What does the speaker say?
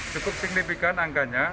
cukup signifikan angkanya